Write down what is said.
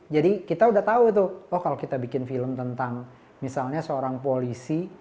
jadi kita udah tahu tuh oh kalau kita bikin film tentang misalnya seorang polisi